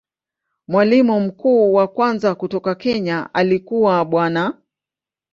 Mwalimu mkuu wa kwanza kutoka Kenya alikuwa Bwana.